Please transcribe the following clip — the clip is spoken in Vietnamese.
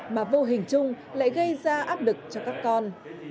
mà vô hình chung lại gây ra áp lực cho các con